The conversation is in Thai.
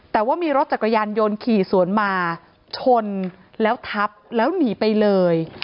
แต่ว่ามีรถจักรยานยนต์ขี่สวนมาชนแล้วทับแล้วหนีไปเลย